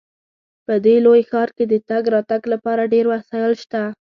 په دې لوی ښار کې د تګ راتګ لپاره ډیر وسایل شته